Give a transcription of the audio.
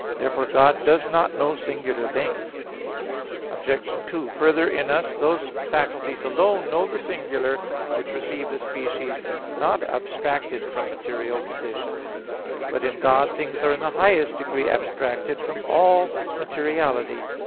Therefore God does not know singular things. Obj. 2: Further, in us those faculties alone know the singular, which receive the species not abstracted from material conditions. But in God things are in the highest degree abstracted from all materiality.